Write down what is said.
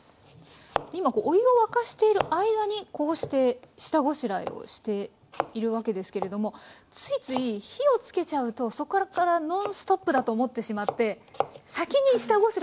今お湯を沸かしている間にこうして下ごしらえをしているわけですけれどもついつい火をつけちゃうとそこからノンストップだと思ってしまって先に下ごしらえしちゃうんですよね野菜の。